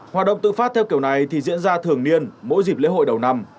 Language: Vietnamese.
hoạt động tự phát theo kiểu này thì diễn ra thường niên mỗi dịp lễ hội đầu năm